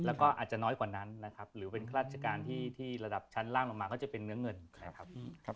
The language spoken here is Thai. แล้วก็อาจจะน้อยกว่านั้นนะครับหรือเป็นข้าราชการที่ระดับชั้นล่างลงมาก็จะเป็นเนื้อเงินนะครับ